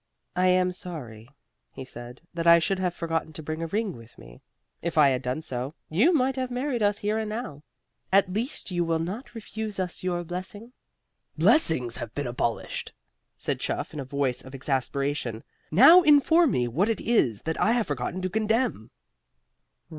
"I am sorry," he said, "that I should have forgotten to bring a ring with me. If I had done so, you might have married us here and now. At least you will not refuse us your blessing?" "Blessings have been abolished," said Chuff in a voice of exasperation. "Now inform me what it is that I have forgotten to condemn."